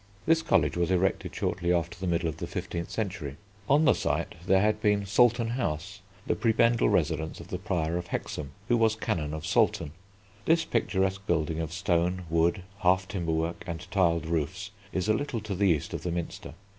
This College was erected shortly after the middle of the fifteenth century: on the site there had been Salton House, the prebendal residence of the Prior of Hexham, who was canon of Salton. This picturesque building of stone, wood, half timber work, and tiled roofs is a little to the east of the Minster.